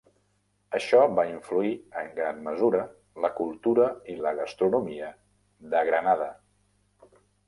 Això va influir en gran mesura la cultura i la gastronomia de Grenada.